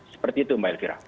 seperti itu mbak elkira